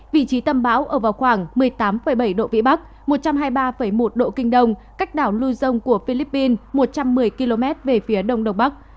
vị trí tâm bão ở vào khoảng một mươi tám bảy độ vĩ bắc một trăm hai mươi ba một độ kinh đông cách đảo luzon của philippines một trăm một mươi km về phía đông đông bắc